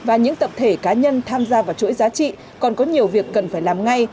và những tập thể cá nhân tham gia vào chuỗi giá trị còn có nhiều việc cần phải làm ngay